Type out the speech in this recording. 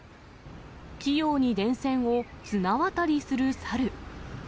器用に電線を綱渡りするサル。